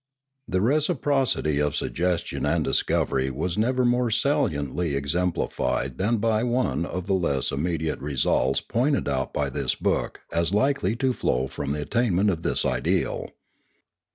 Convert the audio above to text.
The reciprocity of suggestion and discovery was never more saliently exemplified than by one of the less immediate results pointed out by this book as likely to flow from the attainment of its ideal.